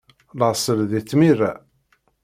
Laṣel di tmira.